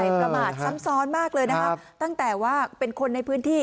ประมาทซ้ำซ้อนมากเลยนะคะตั้งแต่ว่าเป็นคนในพื้นที่